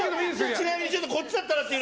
ちなみにこっちだったらっていう。